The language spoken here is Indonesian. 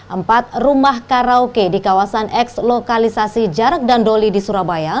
empat rumah karaoke di kawasan eks lokalisasi jarek dandoli di surabaya